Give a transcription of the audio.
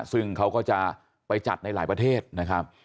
ซึ่งเขาก็จะไปจัดในหลายประเทศนะครับ